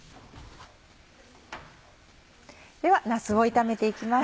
ではなすを炒めて行きます。